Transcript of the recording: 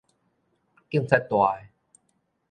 警察大--的